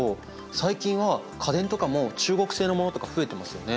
最近は家電とかも中国製のものとか増えてますよね？